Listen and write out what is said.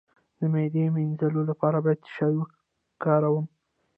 د معدې د مینځلو لپاره باید څه شی وکاروم؟